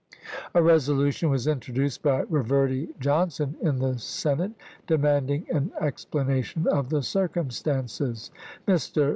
A resolution was introduced by Reverdy John "m^w, son in the Senate demanding an explanation of the p. 2484. circumstances. Mr.